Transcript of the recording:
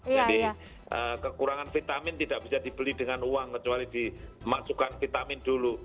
jadi kekurangan vitamin tidak bisa dibeli dengan uang kecuali dimasukkan vitamin dulu